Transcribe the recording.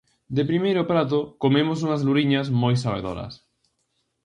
De primeiro prato, comemos unhas luriñas moi sabedoras.